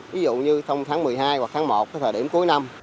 ví dụ như trong tháng một mươi hai hoặc tháng một thời điểm cuối năm